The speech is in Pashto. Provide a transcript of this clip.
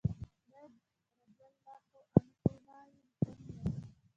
باید رضی الله عنهما یې لیکلي وای.